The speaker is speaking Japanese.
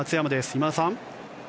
今田さん。